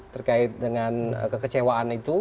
terkait dengan kekecewaan itu